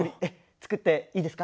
作っていいですか？